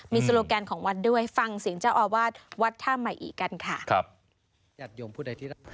มีโซโลแกนของวัดด้วยฟังเสียงเจ้าออวาดวัดท่าใหม่อีกันค่ะครับยัดยมพูดใดที่